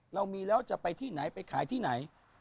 เรามีแล้วจะไปที่ไหนไปขายที่ไหน